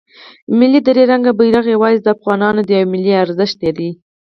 ملی درې رنګه بیرغ یواځې د افغانانو دی او یو ملی ارزښت دی.